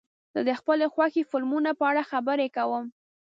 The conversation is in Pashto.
زه د خپلو خوښې فلمونو په اړه خبرې کوم.